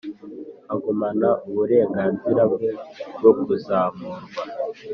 Agumana uburenganzira bwe bwo kuzamurwa